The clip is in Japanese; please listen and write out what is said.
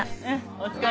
お疲れ。